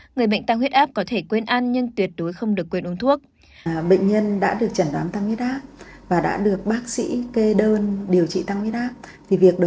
người bệnh tăng huyết áp có thể quên ăn nhưng tuyệt đối không được quên uống thuốc